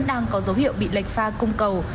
đang có dấu hiệu bị lệch pha cung cầu